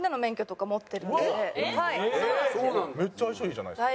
めっちゃ相性いいじゃないですか。